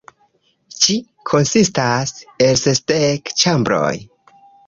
Ĝi konsistas el sesdek ĉambroj.